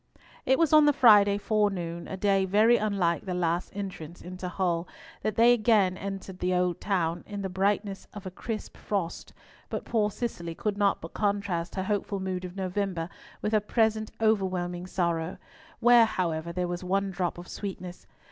It was on the Friday forenoon, a day very unlike their last entrance into Hull, that they again entered the old town, in the brightness of a crisp frost; but poor Cicely could not but contrast her hopeful mood of November with her present overwhelming sorrow, where, however, there was one drop of sweetness.